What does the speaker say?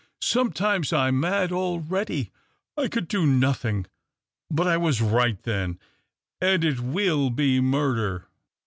Sometimes I am mad dready. I could do nothing. But I was iglit then, and it will be murder."